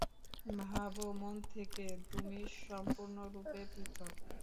ভাবো, মন থেকে তুমি সম্পূর্ণরূপে পৃথক।